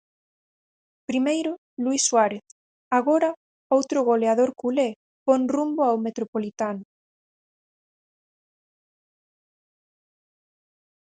Primeiro, Luís Suárez; agora, outro goleador culé pon rumbo ao Metropolitano.